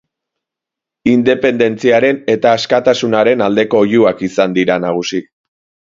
Independentziaren eta askatasunaren aldeko oihuak izan dira nagusi.